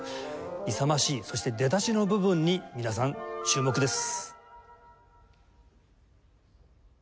勇ましいそして出だしの部分に皆さん注目です。